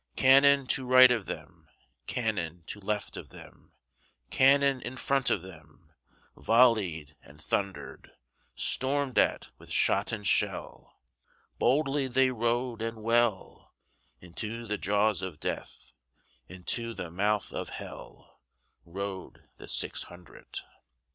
Cannon to right of them, Cannon to left of them, Cannon in front of themVolley'd and thunder'd; Storm'd at with shot and shell, Boldly they rode and well, Into the jaws of Death, Into the mouth of HellRode the six hundred.